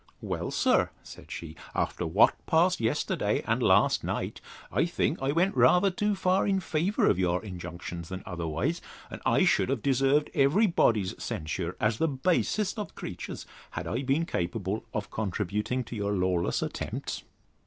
Well, sir, said she, after what passed yesterday, and last night, I think I went rather too far in favour of your injunctions than otherwise; and I should have deserved every body's censure, as the basest of creatures, had I been capable of contributing to your lawless attempts.